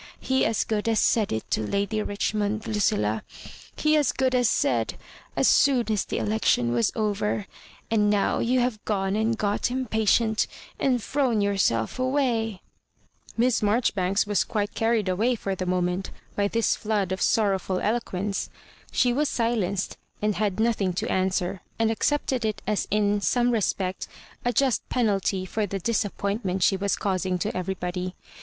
He as good as said it to Lady Richmond, Lucilla He as good as said, as soon as the election was over — and now you have gone and got impa tient, and thrown yourself away I " Digitized by VjOOQIC 180 MISS MABJOBIBANES. Mis3 Maijotibanks was quite carried away for the moment by this flood of sorrowful elo quence. She was sUenced, and had nothing to answer, and accepted it as in some respect a just penalty for the disappointment she was causing to everybody.